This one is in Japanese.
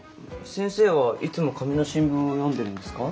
先生はいつも紙の新聞を読んでるんですか？